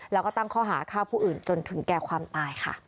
แล้วก็ตั้งข้อหาฆ่าผู้อื่นจนถึงแก่ความตายค่ะ